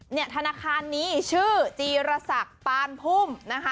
ธนาคารนี้ชื่อจีรศักดิ์ปานพุ่มนะคะ